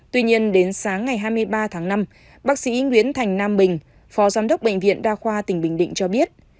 tuy nhiên đến sáng ngày hai mươi ba tháng năm bác sĩ nguyễn thành nam bình phó giám đốc bệnh viện đa khoa tỉnh bình định cho biết